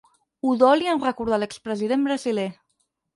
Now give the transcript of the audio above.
Udoli en recordar l'ex president brasiler.